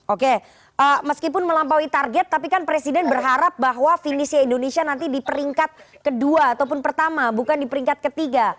oke meskipun melampaui target tapi kan presiden berharap bahwa finishnya indonesia nanti di peringkat kedua ataupun pertama bukan di peringkat ketiga